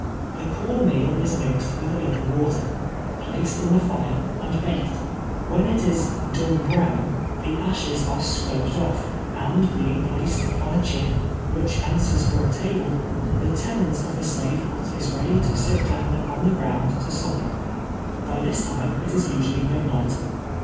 The corn meal is mixed Avith a little water, placed in the fire, and baked. Wht'ii it is "done brown," the ashes are scraped off, and bein^ ])laced upon a chip, which answers for a table, the tenant of the slave hut is ready to sit down upon the ground to supper. By this time it is usually midnight.